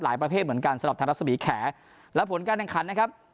หลายประเภทเหมือนกันสำหรับทางรัฐสมียแขนและผลการแขนนะครับ